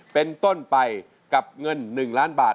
เป็นต้นไปกับเงิน๑ล้านบาท